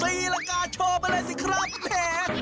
ตีร้างการโชคไปเลยศิครับเณร